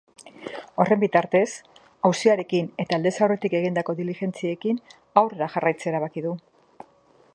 Horren bitartez, auziarekin eta aldez aurretik egindako diligentziekin aurrera jarraitzea erabaki du.